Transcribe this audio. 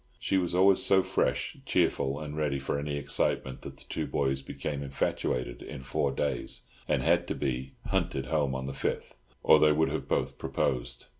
She was always so fresh, cheerful, and ready for any excitement that the two boys became infatuated in four days, and had to be hunted home on the fifth, or they would have both proposed.